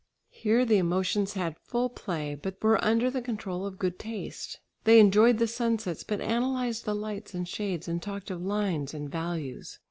Here the emotions had full play, but were under the control of good taste. They enjoyed the sunsets, but analysed the lights and shades and talked of lines and "values."